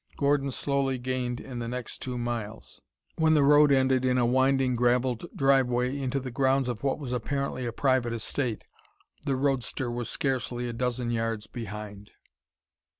Gordon slowly gained in the next two miles. When the road ended in a winding gravelled driveway into the grounds of what was apparently a private estate, the roadster was scarcely a dozen yards behind.